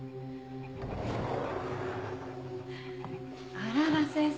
あらら先生